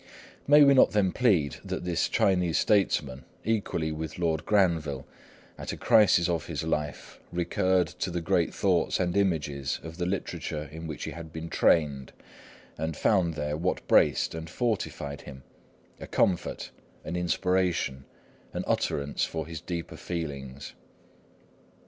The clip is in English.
May we not then plead that this Chinese statesman, equally with Lord Granville, at a crisis of his life, recurred to the great thoughts and images of the literature in which he had been trained, and found there what braced and fortified him, a comfort, an inspiration, an utterance for his deeper feelings?